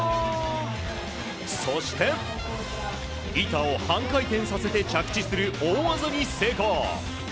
そして、板を半回転させて着地する大技に成功。